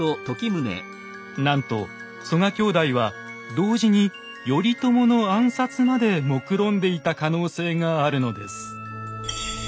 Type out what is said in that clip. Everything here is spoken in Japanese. なんと曽我兄弟は同時に頼朝の暗殺までもくろんでいた可能性があるのです。